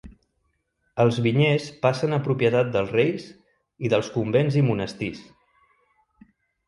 Els vinyers passen a propietat dels reis i dels convents i monestirs.